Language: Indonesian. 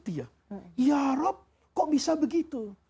ya rab kok bisa begitu